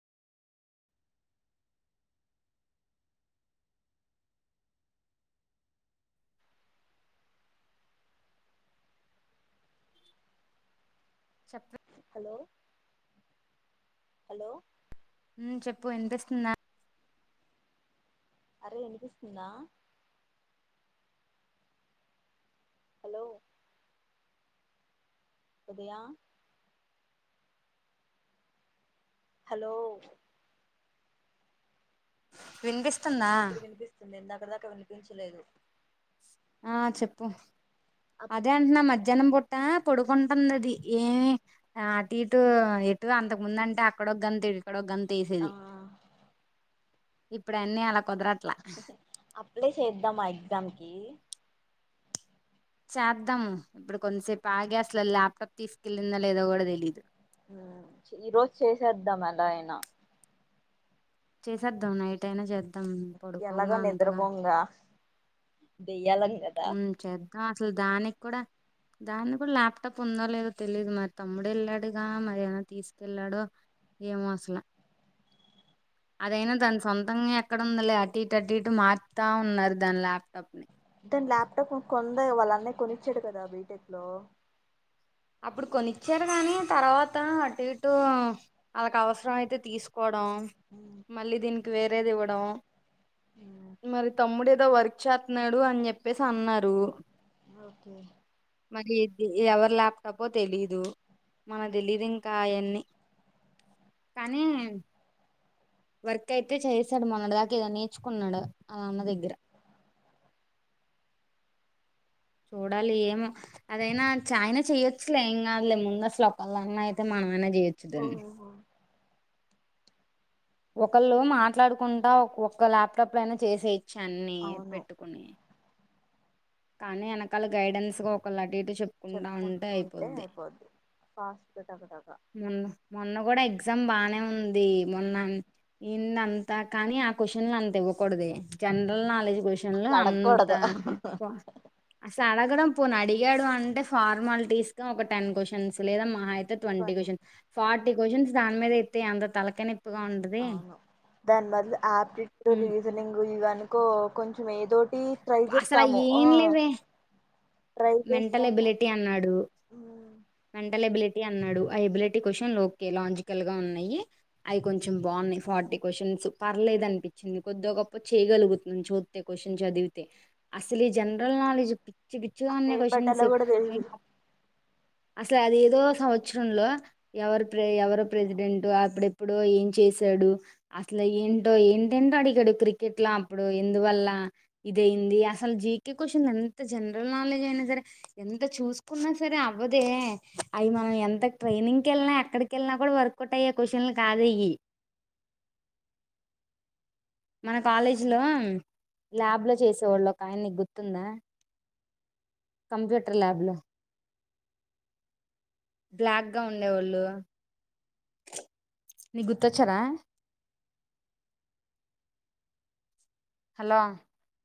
చెప్ప hello hello చెప్పు వినిపిస్తుంద అరే వినిపిస్తుందా హలో ఇదయా హలో వినిపిస్తుందా ఇప్పడిదాకా వినిపించలేదు ఆ చెప్పు అప్ అదే అంటున్నా మధ్ జనం పుట్ట పొడుకుంటుంది అది ఏమి అటు ఇటు ఎటు అంతకుముందంటే అక్కడ ఒగ్గంత ఇక్కడఒగ్గంతె ఆ ఇప్పుడు అన్ని అలా కుదరట్లా అప్లై చేద్దామా ఆ ఎగ్జామ్ కి చేద్దాము ఇప్పుడు కొంతసేపు ఆగ అసలు ల్యాప్టాప్ తీసుకెళ్లిందా లేదో కూడా తెలీదు ఈ రోజు చేసేద్దాం అలా అయినా చేసేద్దాం నైట్ అయినా చేద్ ఎలాగో నిద్రపోంగా దై ఏల్లగె గదా ఆ అసలు దానిక్కూడా దాన్ని కూడా ల్యాప్టాప్ ఉందో లేదో తెలిదు మరి తమ్ముడు వెళ్ళాడుగా, మరి ఏనా తీసుకెళ్ళాడో ఏమో అసలు అదైనా దాని సొంతంగా ఎక్కడందో లే అటు ఇటు అటు ఇటు మార్తా ఉన్నారు దాని ల్యాప్టాప్ ని, తనుల్యాప్టాప్ కొనలేదు వాళ్ళ అన్నయ్య కొనిచ్చాడు కదా బీటెక్ లో అప్పుడు కొనిచ్చారు గాని తర్వాత అటు ఇటు వాళ్కు అవసరం అయితే తీసుకోవ నోమ్ మళ్ళీ దీనికి వేరేది ఇవ్వడం ఉమ్ మరి తమ్ముడే వర్క్ చేత్నాడు అని చెప్పేసి అన్నారు ఓకే మరి ఎవరి లాభ తప్పో తెలీదు మన తెలీదు ఇంకా అయన్నీ వర్క్ అయితే చేసాడు మొన్నటి దాకా ఏదో నేర్చుకున్నాడు ఆల అన్న దగ్గెర చూడాలి ఏమో అదైనా చాయన చెయొచ్చులే, ఏం కాదులే ముందు అస్లు ఒకలన్నా అయితే మనం అయినా, యేచ్చు దాన్ని ఓహో ఒకళ్ళు మాట్లాడుకుంటా ఒకక్క ల్యాప్టాప్ లయినా చేసేయ్ చెన్నై అవును పెట్టుకుని కానీ వెనకాల గైడెన్స్ గా ఒక లటి చెప్పుకుంటా ఉంటే చెప్పుకుంటూ అయిపోద్ది ఫాస్ట్గా టకటక మొన్న మొన్న కూడా ఎగ్జామ్ బానే, ఉంది మొన్న ఇంద అంతా కానీ ఆ క్వశ్చన్లు అంత ఇవ్వకూడదు జనరల్ నాలెడ్జ్, క్వశ్చన్లు అట్ల అంత అడక్కూడదు అసలు అడగడం పోను అడిగాడు, అంటే ఫార్మాలిటీస్ గా ఒక టెన్ క్వశ్చన్స్ లేదా మహ, twenty question for three questions దాని మీద ఇస్తే ఎంత తలకాయ నొప్పి అవును దాని బదులు ఆప్టిట్యూడ్ ఉమ్, రీజనింగ్ ఇవని కో కొంచెం ఏదో అసలు ఏం లేవే ట్రై మెంటల్ చేస్తాము ఎబిలిటీ అన్నాడు మెంటల్ ఎబిలిటీ అన్నాడు I ability question okay logical గా ఉన్నాయి అవి కొంచెం బాగున్నాయి ఫార్టీ క్వశ్చన్స్ పర్లేదు అనిపించింది కొద్ద్దో గొప్ప చేయగలుగుతుంది చోస్తే క్వశ్చన్ చది తె అసలు జనరల్ నాలెజ్ పిచ్ పిచ్చిపిచ్చిగా అట్లా ఉన్నాయి ఏం క్వశ్చన్స్ పెట్టాలో కూడా తెలీదు అసలు అది ఏదో సంవత్సరంలో ఎవరు ప్ర ఎవరు ప్రెసిడెంట్ అప్పుడెప్పుడో ఏం చేసాడు అసలు ఏంటో ఏంటంటే అడిగాడు క్రికెట్ లో అప్పుడు ఎందువల్ల ఇదయింది అసలు జీకే క్వశ్చన్ ఎంత జనరల్ నాలెడ్జ్ అయినా సరే ఎంత చూసుకున్నా సరే అవ్వదే అవి మనం ఎంత ట్రైనింగ్ క వెళ్ినా ఎక్కడికి వెళ్ిన కూడా వర్కౌట్ అయ్య క్వశ్చన్లు కాద్ ఇవి మన కాలేజీలో ల్యాబ్ లో చేసేవాళ్ళు ఒక ఆయన నీకు గుర్తుందా కంప్యూటర్ ల్యాబ్ లో బ్లాక్గా ఉండేవాళ్ళు నీ గుర్తొచ్చారా హలో